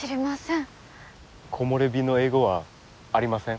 木漏れ日の英語はありません。